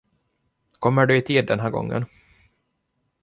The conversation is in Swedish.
Kommer du i tid den här gången?